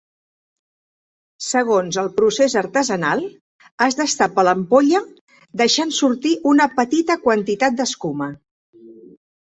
Segons el procés artesanal es destapa l'ampolla deixant sortir una petita quantitat d'escuma.